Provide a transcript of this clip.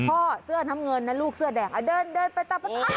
พ่อเสื้อทำเงินลูกเสื้อแดดเดินไปต่อ